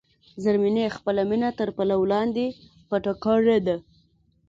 زرمینې خپله مینه تر پلو لاندې پټه کړې ده.